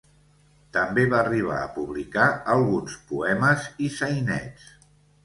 També va arribar a publicar alguns poemes i sainets.